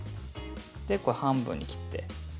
で、半分に切って。